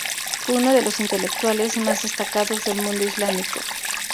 Fue uno de los intelectuales más destacados del mundo islámico.